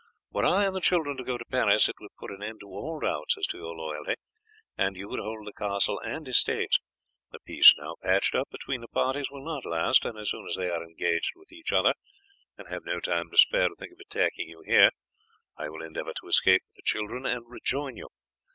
Were I and the children to go to Paris it would put an end to all doubts as to your loyalty, and you would hold the castle and estates. The peace now patched up between the parties will not last, and as soon as they are engaged with each other, and have no time to spare to think of attacking you here, I will endeavour to escape with the children and rejoin you.